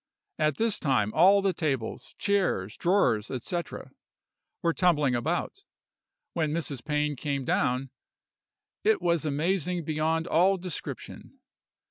At this time all the tables, chairs, drawers, &c., were tumbling about. When Mrs. Pain came down, it was amazing beyond all description.